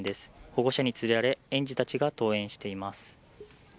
保護者に連れられ、園児たちが登園しています。